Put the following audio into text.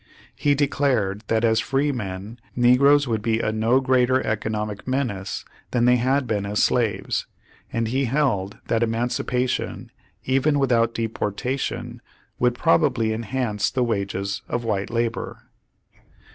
He declared that as free men negroes would be a no greater economic menace than they had been as slaves, and he held that emancipation, even without deportation, would probably enhance the wages of white labor.